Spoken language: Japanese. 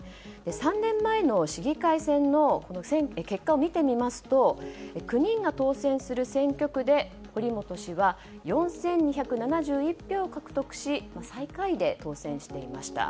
３年前の市議会選の結果を見てみますと９人が当選する選挙区で堀本氏は４２７１票を獲得し最下位で当選していました。